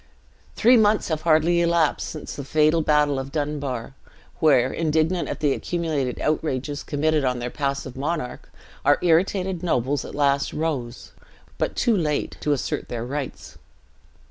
"Three months have hardly elapsed since the fatal battle of Dunbar, where, indignant at the accumulated outrages committed on their passive monarch, our irritated nobles at last rose, but too late, to assert their rights.